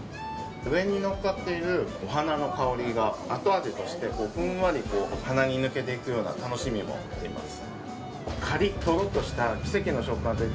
上にのっているお花の香りがあと味としてふんわり鼻に抜けていくような楽しみもあります。